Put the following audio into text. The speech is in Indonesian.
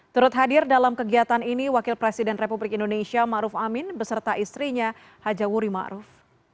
terut hadir dalam kegiatan ini wakil presiden republik indonesia ma'ruf amin beserta istrinya haja wuri ma'ruf